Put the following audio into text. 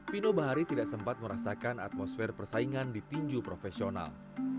pino bahari tidak sempat merasakan atmosfer persaingan di tinju profesional